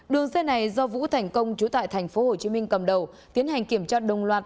đường xe này do vũ thành công chú tại tp hcm cầm đầu tiến hành kiểm tra đồng loạt